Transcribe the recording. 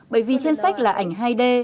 bởi vì trên sách là ảnh hai d